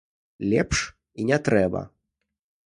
Лепш і не трэба.